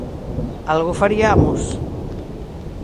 ¡Algo fariamos!